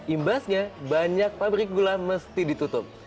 imbasnya banyak pabrik gula mesti ditutup